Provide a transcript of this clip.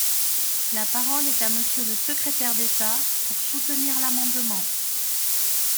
La parole est à Monsieur le secrétaire d’État, pour soutenir l’amendement.